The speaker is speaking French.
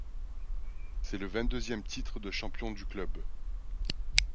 C’est le vingt-deuxième titre de champion du club.